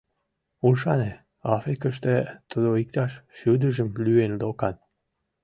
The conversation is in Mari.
«Ушане: Африкыште тудо иктаж шӱдыжым лӱен докан».